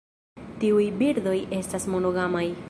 Tiuj birdoj estas monogamaj.